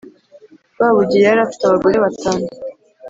rwabugiri yari afite abagore batanu